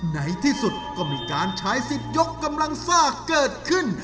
ในที่สุดก็มีการใช้สิทธิ์ยกกำลังซ่าเกิดขึ้น